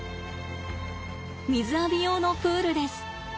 水浴び用のプールです。